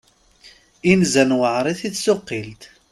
Inzan weɛrit i tsuqilt.